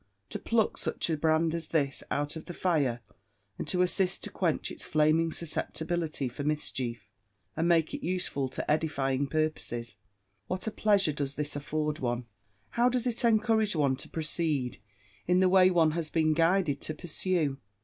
To pluck such a brand as this out of the fire, and to assist to quench its flaming susceptibility for mischief, and make it useful to edifying purposes, what a pleasure does this afford one! How does it encourage one to proceed in the way one has been guided to pursue!